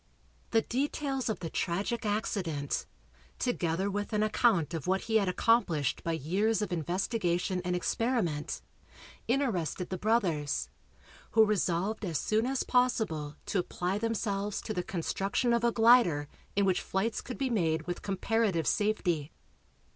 The details of the tragic accident, together with an account of what he had accomplished by years of investigation and experiment, interested the brothers, who resolved as soon as possible to apply themselves to the construction of a glider in which flights could be made with comparative safety.